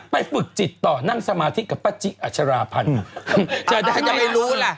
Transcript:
ไปฝึกจิตต่อนั่งสมาธิกับป๊าจิอาชาราพัธิน